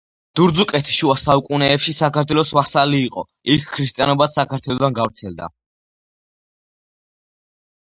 დურძუკეთი შუა საუკუნეებშიც საქართველოს ვასალი იყო, იქ ქრისტიანობაც საქართველოდან გავრცელდა.